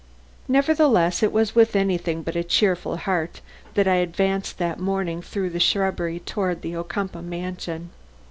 Nevertheless, it was with anything but a cheerful heart that I advanced that morning through the shrubbery toward the Ocumpaugh mansion.